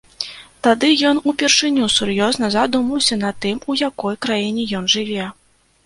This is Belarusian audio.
Тады ён упершыню сур'ёзна задумаўся над тым, у якой краіне ён жыве.